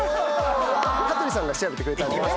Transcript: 羽鳥さんが調べてくれたんだよね。